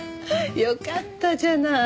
よかったじゃない。